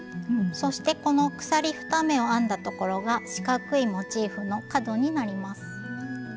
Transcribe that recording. そしてこの鎖２目を編んだところが四角いモチーフの角になります。